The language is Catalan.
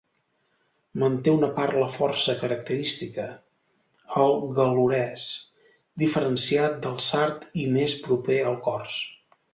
Manté una parla força característica, el gal·lurès, diferenciat del sard i més proper al cors.